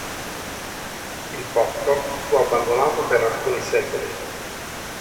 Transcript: Il porto fu abbandonato per alcuni secoli.